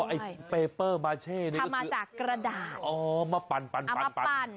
ไอ้เปเปอร์มาเช่นี่ทำมาจากกระดาษอ๋อมาปั่น